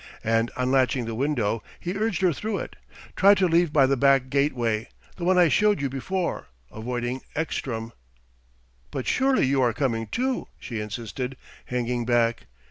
And unlatching the window, he urged her through it. "Try to leave by the back gateway the one I showed you before avoiding Ekstrom " "But surely you are coming too?" she insisted, hanging back.